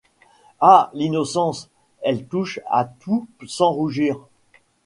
Ah! l’innocence, elle touche à tout sans rougir !